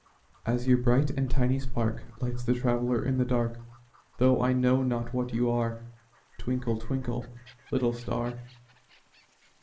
As your bright and tiny spark Lights the traveler in the dark, Though I know not what you are, Twinkle, twinkle, little star.